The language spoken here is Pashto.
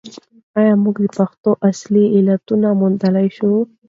آیا موږ د پېښو اصلي علتونه موندلای شو؟